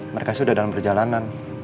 mereka sudah dalam perjalanan